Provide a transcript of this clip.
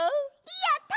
やった！